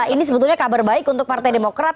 ini sebetulnya kabar baik untuk partai demokrat